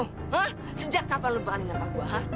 hah sejak kapan lo berani nampak gue hah